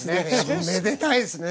おめでたいっすね。